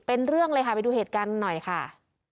เป็นเรื่องเลยค่ะไปดูเหตุการณ์หน่อยค่ะ